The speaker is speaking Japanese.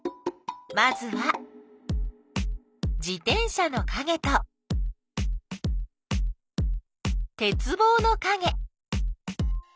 まずは自転車のかげとてつぼうのかげ。